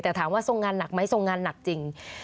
แต่ถามว่าทรงงานหนักไหมทรงงานหนักจริง